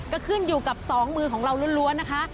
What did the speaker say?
ก็ขึ้นอยู่กับสองมือของเราล้วนนะคะ